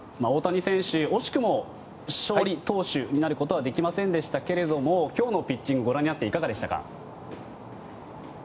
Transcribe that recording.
大谷選手、惜しくも勝利投手になることはできませんでしたが今日のピッチングをご覧になっていかがでしたか？